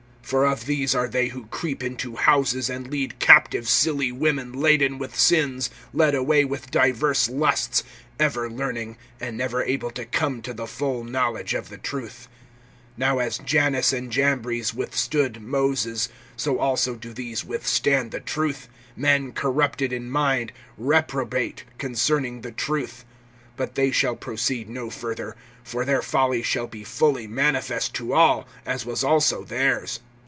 (6)For of these are they who creep into houses, and lead captive silly women laden with sins, led away with divers lusts, (7)ever learning, and never able to come to the full knowledge of the truth. (8)Now as Jannes and Jambres withstood Moses, so also do these withstand the truth; men corrupted in mind, reprobate concerning the faith. (9)But they shall proceed no further; for their folly shall be fully manifest to all, as was also theirs.